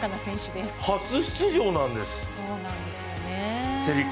初出場なんです、世陸。